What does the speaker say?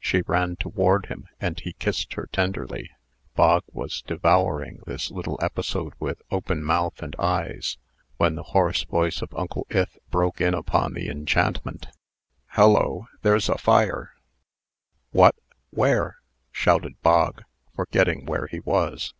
She ran toward him, and he kissed her tenderly. Bog was devouring this little episode with open mouth and eyes, when the hoarse voice of Uncle Ith broke in upon the enchantment: "Hallo! there's a fire." "What! Where?" shouted Bog, forgetting where he was.